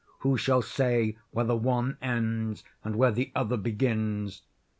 Who shall say where the one ends, and where the other begins?